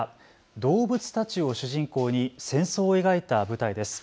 動物たちを主人公に戦争を描いた舞台です。